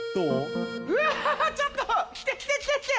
うわちょっと来て来て来て来て。